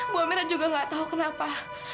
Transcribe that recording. bu amera juga nggak tahu kenapa